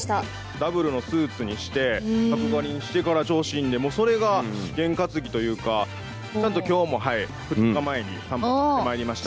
ダブルのスーツにして、角刈りにしてから調子いいんで、もうそれが験担ぎというか、ちゃんときょうも、２日前に散髪してまいりました。